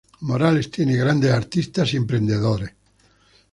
Morales, tiene grandes artistas y emprendedores.